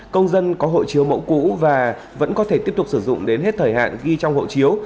công dân có hộ chiếu mẫu cũ và vẫn có thể tiếp tục sử dụng đến hết thời hạn ghi trong hộ chiếu